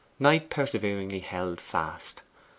Knight perseveringly held fast.